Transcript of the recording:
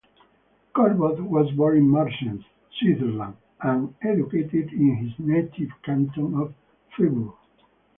Corboz was born in Marsens, Switzerland and educated in his native canton of Fribourg.